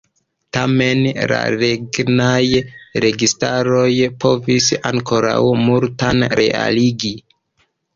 Tamen la regnaj registaroj povis ankoraŭ multan realigi.